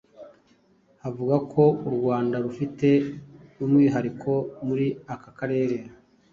bavuga ko u Rwanda rufite umwihariko muri aka karere.